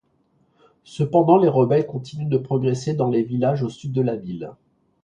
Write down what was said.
Cependant les rebelles continuent de progresser dans les villages au sud de la ville.